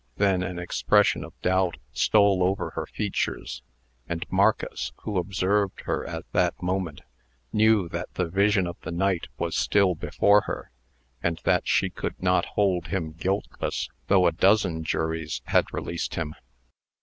Then an expression of doubt stole over her features; and Marcus, who observed her at that moment, knew that the vision of the night was still before her, and that she could not hold him guiltless though a dozen juries had released him.